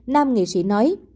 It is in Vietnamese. nam nghệ sĩ nói